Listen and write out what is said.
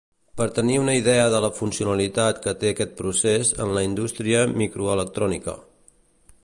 Per tenir una idea de la funcionalitat que té aquest procés en la indústria microelectrònica.